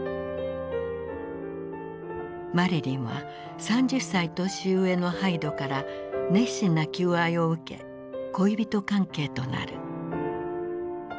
マリリンは３０歳年上のハイドから熱心な求愛を受け恋人関係となる。